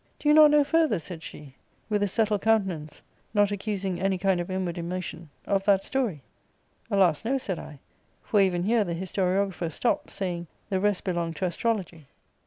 * Do you not know further,' said she, with a settled countenance, not accusing [betraying] any kind of inward emotion, * of that story ?'* Alas, no,' said I, * for even here the historiographer stopped, saying. The rest belonged to astrology.'